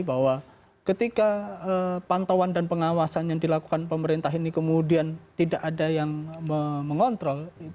bahwa ketika pantauan dan pengawasan yang dilakukan pemerintah ini kemudian tidak ada yang mengontrol